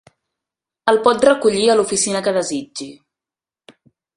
El pot recollir a l'oficina que desitgi.